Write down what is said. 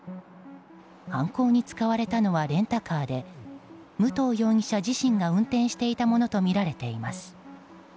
犯行に使われたのはレンタカーで武藤容疑者自身が運転していたものとみられています。